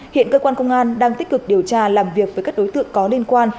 hiện cơ quan công an đang tích cực điều tra làm việc với các đối tượng có liên quan